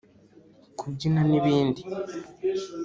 kubyina n’ibindi